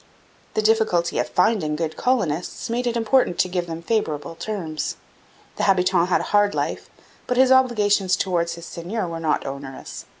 The difficulty of finding good colonists made it important to give them favourable terms. The habitant had a hard life, but his obligations towards his seigneur were not onerous.